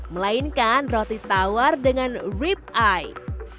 melainkan roti tawar dengan rip eye